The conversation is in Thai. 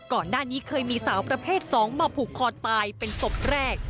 ก่อนหน้านี้เคยมีสาวประเภท๒มาผูกคอตายเป็นศพแรก